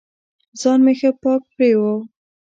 ځان مې ښه پاک پرېوه.